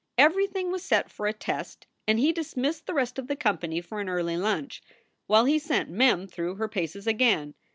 Everything was set for a test and he dismissed the rest of the company for an early lunch, while he sent Mem through her paces again.